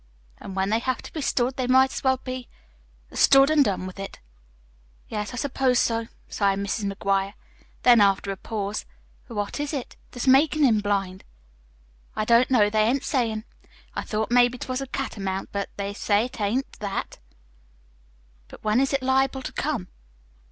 An' when they have to be stood, they might as well be stood, an' done with it." "Yes, I suppose so," sighed Mrs. McGuire. Then, after a pause: "But what is it that's makin' him blind?" "I don't know. They ain't sayin'. I thought maybe't was a catamount, but they say't ain't that." "But when is it liable to come?"